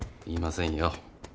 言いませんよ。